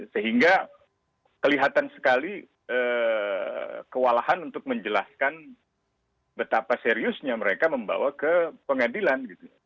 sehingga kelihatan sekali kewalahan untuk menjelaskan betapa seriusnya mereka membawa ke pengadilan